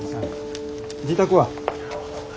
自宅は？